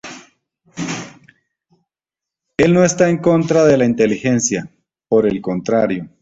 Él no está en contra de la inteligencia, por el contrario.